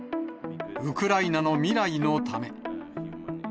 ウクライナの未来のため。